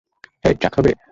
হেই, চা খাবে?